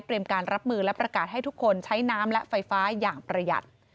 การรับมือและประกาศให้ทุกคนใช้น้ำและไฟฟ้าอย่างประหยัด